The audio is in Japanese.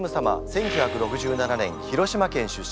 １９６７年広島県出身。